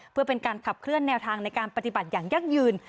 เพื่อเป็นการขับเคลื่อนแนวทางในการปฏิบัติอย่างยั่งยืน